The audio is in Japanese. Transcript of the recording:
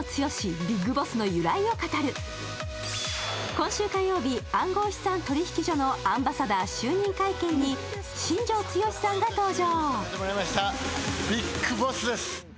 今週火曜日、暗号資産取引所のアンバサダー就任会見に新庄剛志さんが登場。